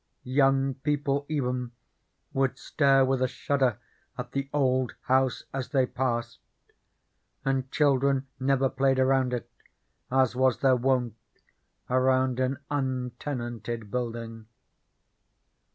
Young people even would stare with a shudder at the old house as they passed, and children never played around it as was their wont around an untenanted building.